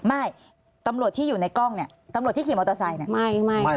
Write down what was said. ไม่ตำรวจที่อยู่ในกล้องเนี่ยตำรวจที่ขี่มอเตอร์ไซค์เนี่ย